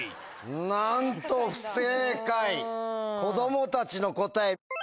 なんと不正解子供たちの答え。